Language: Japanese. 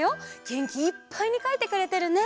げんきいっぱいにかいてくれてるね。